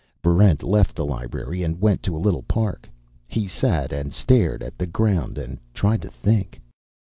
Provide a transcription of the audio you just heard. Barrent left the library and went to a little park. He sat and stared at the ground and tried to think.